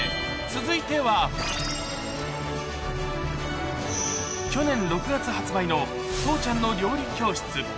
続いては、去年６月発売の父ちゃんの料理教室。